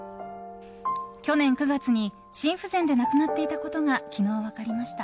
去年９月に心不全で亡くなっていたことが昨日、分かりました。